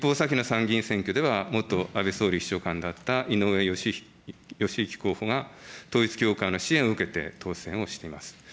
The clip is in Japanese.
一方、先の参議院選挙では元安倍総理秘書官だった、井上義行候補が統一教会の支援を受けて当選をしています。